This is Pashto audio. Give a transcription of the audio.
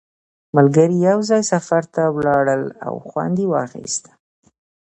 ملګري یو ځای سفر ته ولاړل او خوند یې واخیست